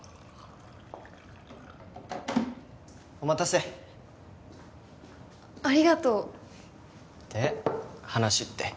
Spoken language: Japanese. お待たせありがとうで話って？